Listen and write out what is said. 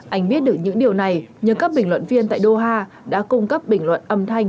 anh biết được những điều này nhờ các bình luận viên tại doha đã cung cấp bình luận âm thanh